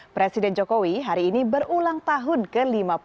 presiden jokowi hari ini berulang tahun ke lima puluh